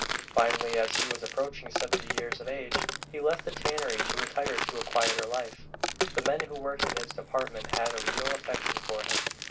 Finally, as he was approaching seventy years of age, he left the tannery to retire to a quieter life. The men who worked in his department had a real affection for him.